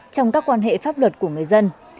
trong các quan hệ pháp luật của người dân